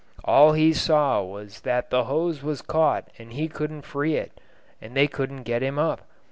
All he saw was that the hose was caught and he couldn't free it, and they couldn't get him up.